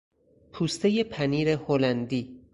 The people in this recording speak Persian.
پوستهی پنیر هلندی